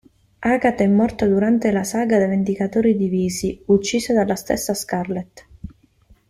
Agatha è morta durante la saga Vendicatori divisi, uccisa dalla stessa Scarlet.